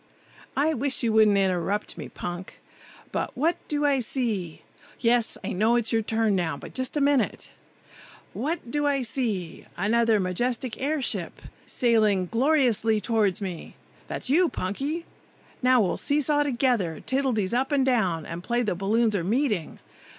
"I wish you wouldn't interrupt me, Punk! But what do I see? Yes, I know it's your turn now, but just wait a minute! What do I see? Another majestic air ship, sailing gloriously toward me! That's you, Punky! Now we'll see saw together, tiddledies up and down, and play the balloons are meeting.